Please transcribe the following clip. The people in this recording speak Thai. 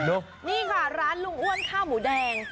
นี่ค่ะร้านลุงอ้วนข้าวหมูแดง